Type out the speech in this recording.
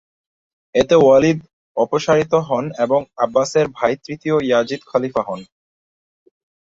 এতে ওয়ালিদ অপসারিত হন এবং আব্বাসের ভাই তৃতীয় ইয়াজিদ খলিফা হন।